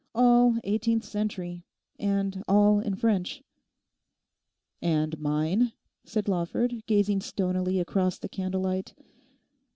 All eighteenth century, and all in French.' 'And mine?' said Lawford, gazing stonily across the candlelight.